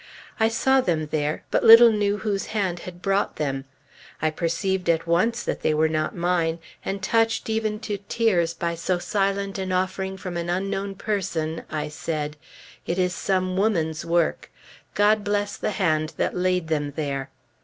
I saw them there, but little knew whose hand had brought them. I perceived at once that they were not mine, and touched even to tears by so silent an offering from an unknown person, I said, "It is some woman's work; God bless the hand that laid them there."